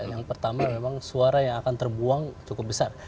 yang pertama memang suara yang akan terbuang cukup besar